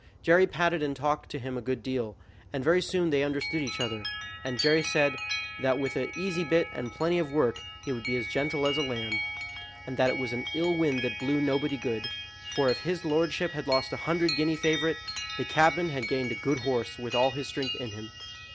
Jerry patted and talked to him a good deal, and very soon they understood each other, and Jerry said that with an easy bit and plenty of work he would be as gentle as a lamb; and that it was an ill wind that blew nobody good, for if his lordship had lost a hundred guinea favorite, the cabman had gained a good horse with all his strength in him.